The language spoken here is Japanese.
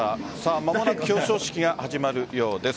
間もなく表彰式が始まるようです。